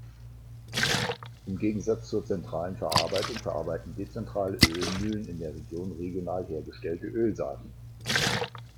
Im Gegensatz zur zentralen Verarbeitung verarbeiten dezentrale Ölmühlen in der Regel regional hergestellte Ölsaaten.